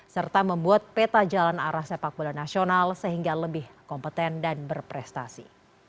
serta membuat peta jalan arah sepak bola nasional sehingga lebih kompeten dan berprestasi